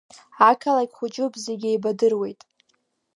Ақалақь хәыҷуп, зегьы еибадыруеит.